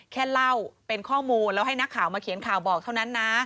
แค่เล่าเป็นข้อมูลแล้วให้นักข่าวมาเขียนข่าวบอกเท่านั้นนะ